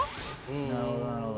なるほどなるほど。